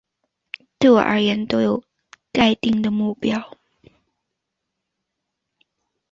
对我而言都有既定的目标